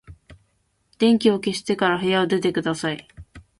電気を消してから部屋を出てください。